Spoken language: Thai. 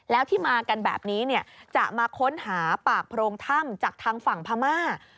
แล้วที่มากันแบบนี้จะมาค้นหาปากโพรงถ้ำจากทางฝั่งพม่า